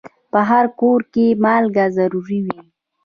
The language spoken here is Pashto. په هر کور کې مالګه ضرور وي.